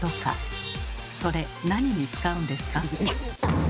それ何に使うんですか？